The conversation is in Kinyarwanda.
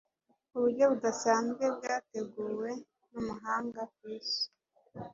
Uburyo budasanzwe bwateguwe n'umuhanga kwis